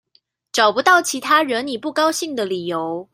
找不到其他惹你不高興的理由